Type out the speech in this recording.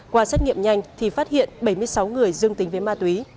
qua xét nghiệm nhanh thì phát hiện bảy mươi sáu người dương tính với ma túy